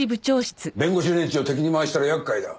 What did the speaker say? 弁護士連中を敵に回したらやっかいだ。